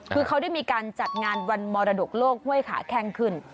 คือเขาได้มีการจัดงานวันมรดกโลกห้วยขาแข้งขึ้น